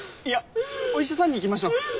いやお医者さんに行きましょう。